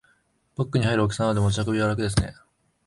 バッグに入る大きさなので持ち運びは楽ですね